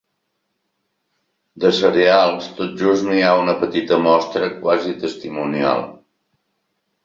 De cereals, tot just n'hi ha una petita mostra, quasi testimonial.